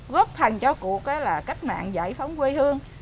góp thành cho cuộc cách mạng giải phóng quê hương